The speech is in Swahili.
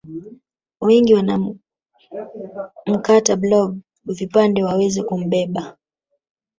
Wengi wanamkata blob vipande waweze kumbeba